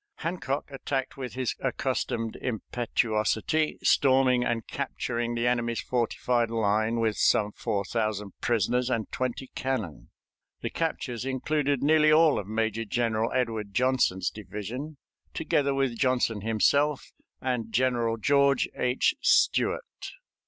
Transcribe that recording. Hancock attacked with his accustomed impetuosity, storming and capturing the enemy's fortified line, with some four thousand prisoners and twenty cannon. The captures included nearly all of Major General Edward Johnson's division, together with Johnson himself and General George H. Steuart.